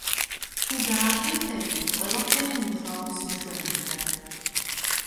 თუ დააკვირდებით, ყველაფერი მუშაობს მშვენივრად.